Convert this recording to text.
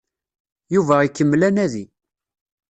Yuba ikemmel anadi.